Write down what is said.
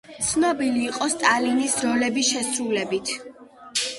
ცნობილი იყო სტალინის როლების შესრულებით.